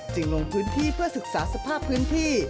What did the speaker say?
ลงพื้นที่เพื่อศึกษาสภาพพื้นที่